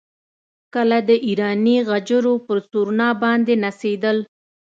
کله د ایراني غجرو پر سورنا باندې نڅېدل.